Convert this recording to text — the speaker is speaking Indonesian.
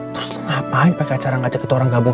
terus lu ngapain pake cara ngajakin orang gabung